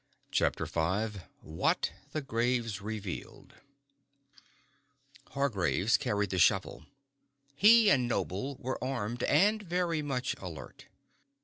CHAPTER V What the Graves Revealed Hargraves carried the shovel. He and Noble were armed, and very much alert.